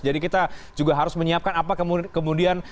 jadi kita juga harus menyiapkan apa kemudian